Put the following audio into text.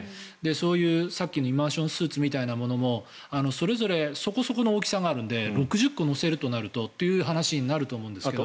そういうさっきのイマーションスーツみたいなものもそこそこの大きさがあるので６０個載せるとなるとという話になると思うんですけど。